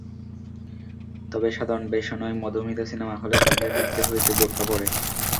তবে সাধারণ বেশে নয়, মধুমিতা সিনেমা হলে তাঁকে ঢুকতে হয়েছে বোরকা পরে।